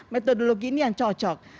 metodologi ini yang cocok